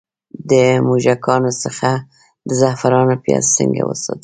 د موږکانو څخه د زعفرانو پیاز څنګه وساتم؟